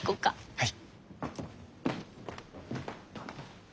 はい。